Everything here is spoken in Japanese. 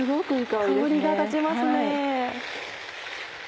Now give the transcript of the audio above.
香りが立ちますね。